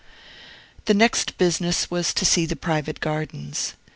The next business was to see the private gardens.